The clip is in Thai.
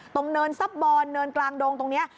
เนินซับบอลเนินกลางดงตรงนี้